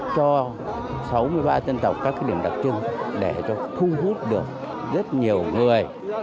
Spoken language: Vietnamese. cho sáu mươi ba dân tộc các điểm đặc trưng để cho thu hút được rất nhiều người